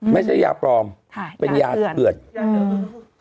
ไม่ใช่ยาปลอมเป็นยาเถือนค่ะยาเถือนค่ะยาเถือน